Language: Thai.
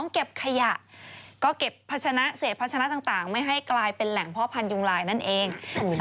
เก็บขยะก็เก็บพัชนะเศษพัชนะต่างไม่ให้กลายเป็นแหล่งพ่อพันธุงลายนั่นเอง